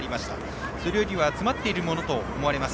それよりは詰まっているものと思われます。